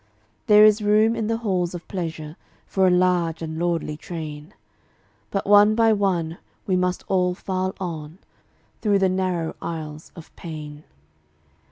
There is room in the halls of pleasure For a large and lordly train, But one by one we must all file on Through the narrow aisles of pain.